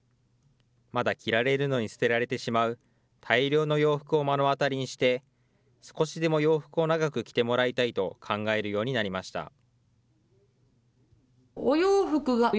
まだ着られるのに捨てられてしまう大量の洋服を目の当たりにして、少しでも洋服を長く着てもらいたいと考えるようになりました。